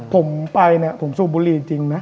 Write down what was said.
ผมไปผมสู้บุหรี่จริงนะ